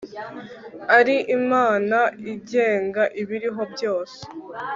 ari imana igenga ibiriho byose